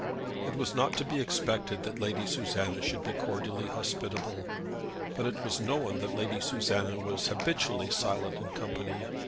It was not to be expected that Lady Susanna should be cordially hospitable; but it was known that Lady Susanna was habitually silent in company.